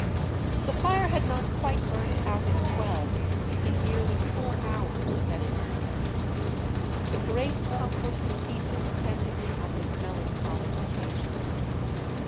The fire had not quite burnt out at twelve, in nearly four hours, that is to say. "A great concourse of people attended on this melancholy occasion."